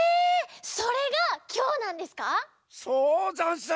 それがきょうなんですか？